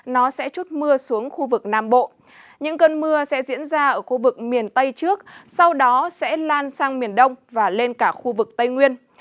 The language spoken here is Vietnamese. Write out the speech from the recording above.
nó sẽ chút mưa xuống khu vực nam bộ những cơn mưa sẽ diễn ra ở khu vực miền tây trước sau đó sẽ lan sang miền đông và lên cả khu vực tây nguyên